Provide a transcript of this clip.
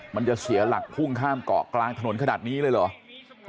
มันจะเสียหลักพุ่งข้ามเกาะกลางถนนขนาดนี้เลยเหรอ